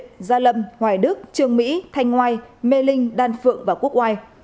các huyện gia lâm hoài đức trường mỹ thanh ngoài mê linh đan phượng và quốc oai